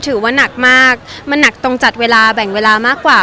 ถือว่านักมากมันหนักตรงจัดเวลาแบ่งเวลามากกว่า